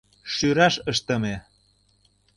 — Шӱраш ыштыме.